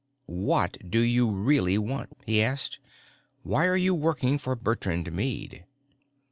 "What do you really want?" he asked. "Why are you working for Bertrand Meade?"